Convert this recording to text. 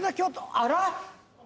あら？